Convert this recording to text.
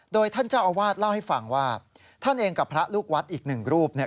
โดยท่านเจ้าอาวาสเล่าให้ฟังว่าท่านเองกับพระลูกวัดอีกหนึ่งรูปเนี่ย